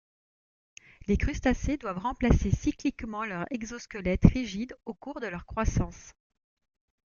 Les crustacés doivent remplacer cycliquement leur exosquelette rigide au cours de leur croissance.